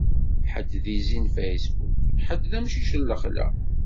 Ḥedd d izi n Facebook, ḥedd d amcic n lexla.